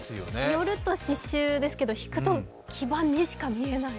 寄ると刺しゅうですけど引くと基盤にしか見えない。